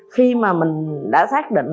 khi mà mình đã xác định